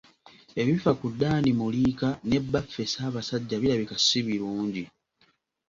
Ebifa ku Dan Muliika ne Bbaffe Ssabasajja birabika si birungi.